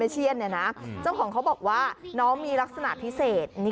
เจ้าของเขาบอกว่าน้องมีลักษณะพิเศษ